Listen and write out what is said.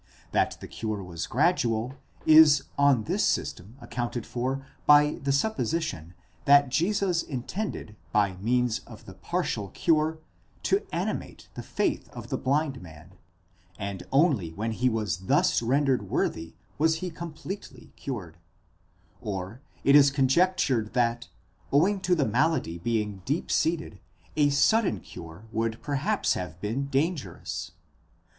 That the cure was gradual, is on this system accounted for by the supposition, that Jesus intended by means of the partial cure to animate the faith of the blind man, and only when he was thus rendered worthy was he completely cured ;}7 or it is conjectured that, owing to the malady being deep seated, a sudden cure would perhaps have been dangerous.